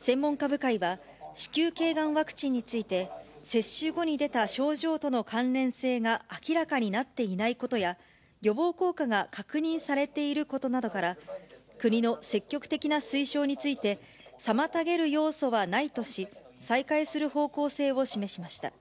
専門家部会は子宮けいがんワクチンについて、接種後に出た症状との関連性が明らかになっていないことや、予防効果が確認されていることなどから、国の積極的な推奨について、妨げる要素はないとし、再開する方向性を示しました。